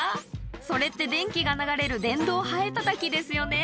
それって電気が流れる電動ハエたたきですよね